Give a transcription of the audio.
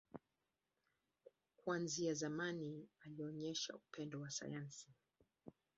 Kuanzia zamani, alionyesha upendo wa sayansi.